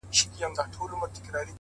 سهار زه ومه بدنام او دی نېکنامه،